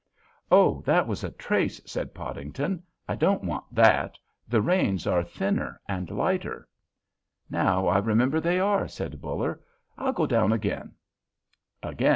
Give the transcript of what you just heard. "Oh, that was a trace," said Podington; "I don't want that; the reins are thinner and lighter." "Now I remember they are," said Buller. "I'll go down again."